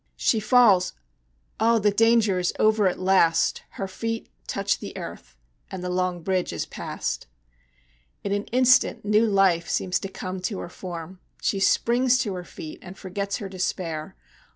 She falls Ah! the danger is over at last, Her feet touch the earth, and the long bridge is passed! In an instant new life seems to come to her form; She springs to her feet and forgets her despair.